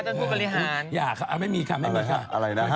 ท่านผู้กริหารอย่าค่ะเอาไม่มีค่ะไม่มีค่ะอะไรนะฮะ